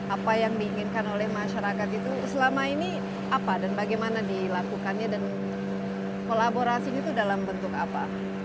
apa yang diinginkan oleh masyarakat itu selama ini apa dan bagaimana dilakukannya dan kolaborasinya itu dalam bentuk apa